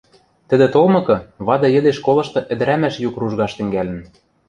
Тӹдӹ толмыкы, вады йӹде школышты ӹдӹрӓмӓш юк ружгаш тӹнгӓлӹн.